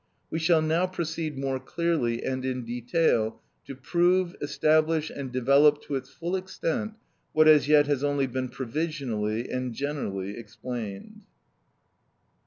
(28) We shall now proceed more clearly and in detail to prove, establish, and develop to its full extent what as yet has only been provisionally and generally explained.